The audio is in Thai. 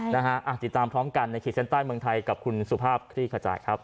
แต่ก็ติดตามท้องกันในขี้เซนไตร์เมืองไทยกับคุณสุภาพที่ขจัยครับ